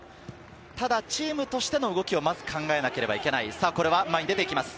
ただチームとしての動きをまず考えなければいけない。